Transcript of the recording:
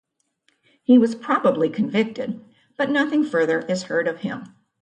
He was probably convicted, but nothing further is heard of him.